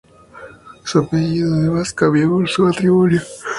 Su apellido además cambió por su matrimonio, fatalmente para ella.